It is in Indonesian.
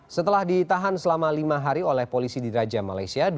setelah ditahan selama lima hari oleh polisi di raja malaysia